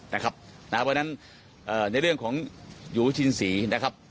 เพราะฉะนั้นในเรื่องของหยูชินศรีนะครับ